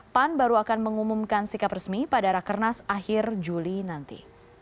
pan baru akan mengumumkan sikap resmi pada rakernas akhir juli nanti